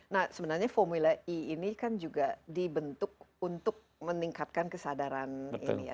nah sebenarnya formula e ini kan juga dibentuk untuk meningkatkan kesadaran ini ya